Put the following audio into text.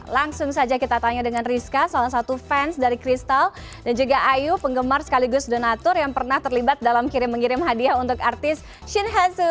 langsung saja kita tanya dengan rizka salah satu fans dari kristal dan juga ayu penggemar sekaligus donatur yang pernah terlibat dalam kirim mengirim hadiah untuk artis shin hasu